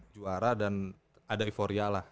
juara dan ada euforia lah